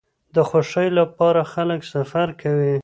د خوښۍ لپاره خلک سفر کوي.